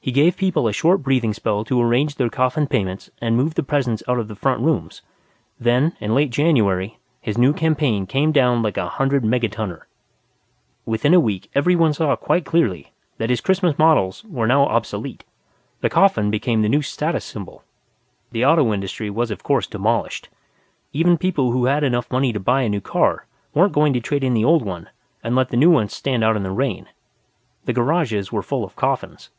He gave people a short breathing spell to arrange their coffin payments and move the presents out of the front rooms. Then, late in January, his new campaign came down like a hundred megatonner. Within a week, everyone saw quite clearly that his Christmas models were now obsolete. The coffin became the new status symbol. The auto industry was of course demolished. Even people who had enough money to buy a new car weren't going to trade in the old one and let the new one stand out in the rain. The garages were full of coffins.